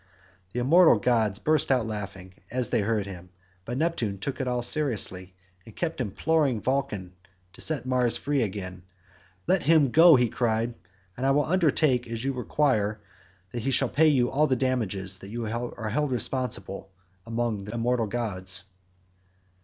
The immortal gods burst out laughing as they heard him, but Neptune took it all seriously, and kept on imploring Vulcan to set Mars free again. "Let him go," he cried, "and I will undertake, as you require, that he shall pay you all the damages that are held reasonable among the immortal gods."